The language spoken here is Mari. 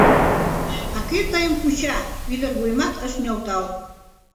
— А кӧ тыйым куча? — ӱдыр вуйымат ыш нӧлтал.